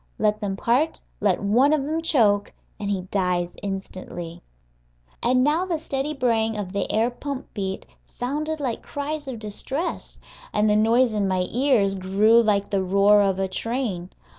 Let them part, let one of them choke, and he dies instantly. And now the steady braying of the air pump beat sounded like cries of distress, and the noise in my ears grew like the roar of a train.